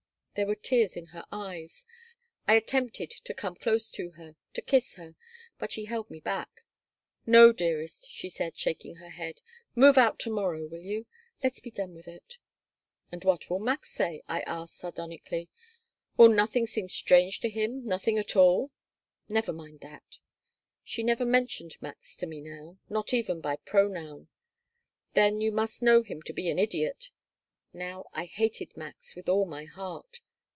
There were tears in her eyes. I attempted to come close to her, to kiss her, but she held me back "No, dearest," she said, shaking her head. "Move out to morrow, will you? Let's be done with it." "And what will Max say?" I asked, sardonically. Will nothing seem strange to him nothing at all?" "Never mind that." She never mentioned Max to me now, not even by pronoun "Then you must know him to be an idiot." Now I hated Max with all my heart.